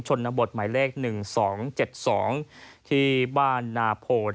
ชนบทหมายเลข๑๒๗๒ที่บ้านนาโพ